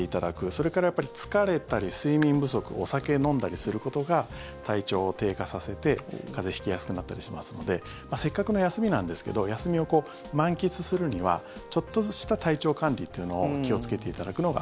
それからやっぱり疲れたり、睡眠不足お酒を飲んだりすることが体調を低下させて風邪を引きやすくなったりしますのでせっかくの休みなんですけど休みを満喫するにはちょっとした体調管理というのを気をつけていただくのが。